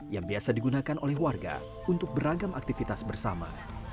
yang biasa digunakan oleh warga untuk beragam aktivitas bersama